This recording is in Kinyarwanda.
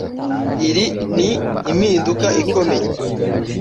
Iri ni impinduka ikomeye